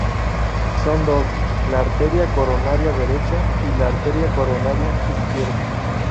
Son dos: la arteria coronaria derecha y la arteria coronaria izquierda.